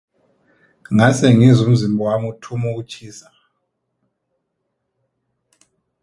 Ngase ngizwa umzimba wami uthoma ukutjhisa.